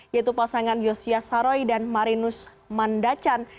yaitu pasangan yosya saroy dan marinus mandacan